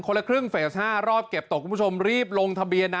ละครึ่งเฟส๕รอบเก็บตกคุณผู้ชมรีบลงทะเบียนนะ